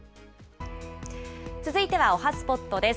続いてはおはＳＰＯＴです。